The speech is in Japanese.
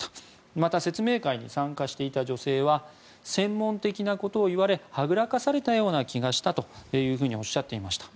また、説明会に参加していた女性は専門的なことを言われはぐらかされたような気がしたとおっしゃっていました。